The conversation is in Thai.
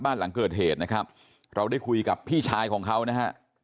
บ้านหลังเกิดเหตุนะครับเราได้คุยกับพี่ชายของเขานะฮะ